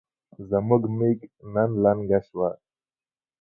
زموږ ميږ نن لنګه شوه